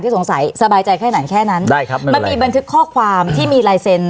สงสัยสบายใจแค่ไหนแค่นั้นได้ครับมันมีบันทึกข้อความที่มีลายเซ็น